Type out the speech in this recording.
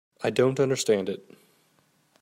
I don't understand it.